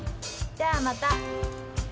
じゃあまた。